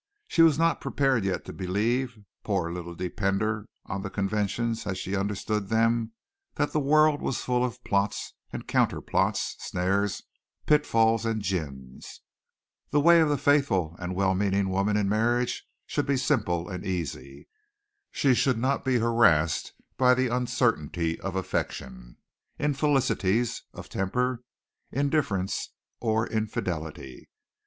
She was not prepared yet to believe, poor little depender on the conventions as she understood them, that the world was full of plots and counter plots, snares, pitfalls and gins. The way of the faithful and well meaning woman in marriage should be simple and easy. She should not be harassed by uncertainty of affection, infelicities of temper, indifference or infidelity.